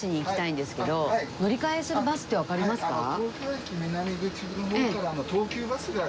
乗り換えするバスってわかりますか？